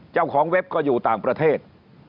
เจ้าของเว็บก็อยู่ต่างประเทศ